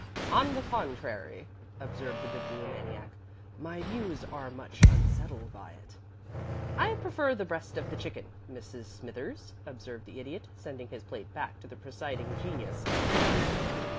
"On the contrary," observed the Bibliomaniac. "My views are much unsettled by it." "I prefer the breast of the chicken, Mrs. Smithers," observed the Idiot, sending his plate back to the presiding genius of the table.